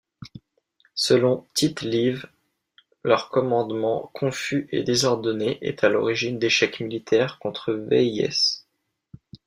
Selon Tite-Live, leur commandement confus et désordonné est à l'origine d'échecs militaires contre Véies.